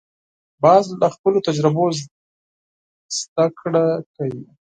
باز له خپلو تجربو زده کړه کوي